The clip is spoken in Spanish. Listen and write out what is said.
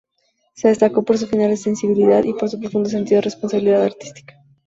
Se destacó por su fina sensibilidad y por su profundo sentido de responsabilidad artística.